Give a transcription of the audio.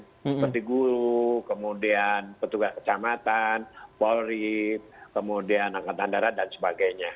seperti guru kemudian petugas kecamatan polri kemudian angkatan darat dan sebagainya